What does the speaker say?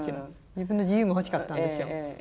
自分の自由も欲しかったんでしょう。